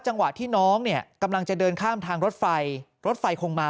จังหวะที่น้องเนี่ยกำลังจะเดินข้ามทางรถไฟรถไฟคงมา